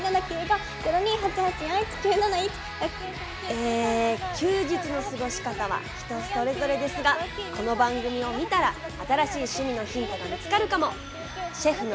え休日の過ごし方は人それぞれですがこの番組を見たら新しい趣味のヒントが見つかるかも。